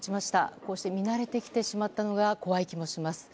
こうして見慣れてきてしまったのが怖い気もします。